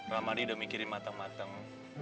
ramadhi udah mikirin mateng mateng